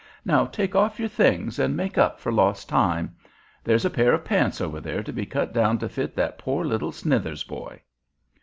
"Now take off your things and make up for lost time. There's a pair of pants over there to be cut down to fit that poor little Snithers boy."